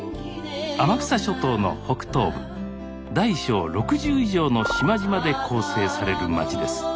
天草諸島の北東部大小６０以上の島々で構成されるまちです。